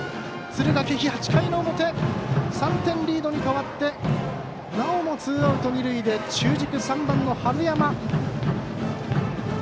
敦賀気比、８回の表３点リードに変わってなおもツーアウト、二塁で中軸、３番の春山。